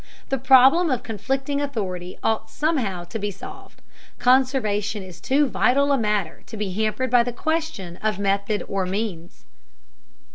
The problem of conflicting authority ought somehow to be solved. Conservation is too vital a matter to be hampered by the question of method or means.